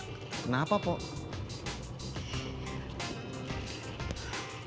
kasih tau saya siapa yang diantar sama bang ojak